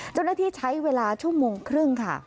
เจ้าหน้าที่ใช้เวลาชั่วโมงครึ่งค่ะ